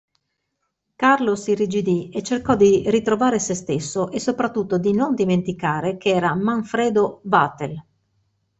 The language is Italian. Carlo s'irrigidì e cercò di ritrovare sé stesso e soprattutto di non dimenticare che era Manfredo Vatel.